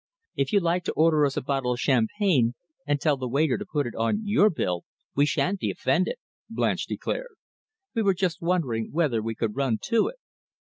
"If you like to order us a bottle of champagne and tell the waiter to put it on your bill, we shan't be offended," Blanche declared. "We were just wondering whether we could run to it."